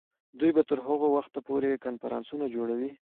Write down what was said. دوی به تر هغه وخته پورې کنفرانسونه جوړوي.